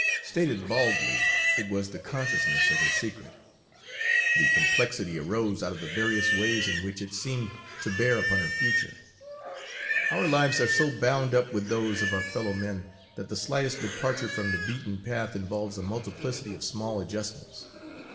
Stated baldly, it was the consciousness of her secret; the complexity arose out of the various ways in which it seemed to bear upon her future. Our lives are so bound up with those of our fellow men that the slightest departure from the beaten path involves a multiplicity of small adjustments.